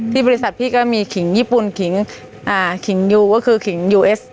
บริษัทพี่ก็มีขิงญี่ปุ่นขิงขิงยูก็คือขิงยูเอส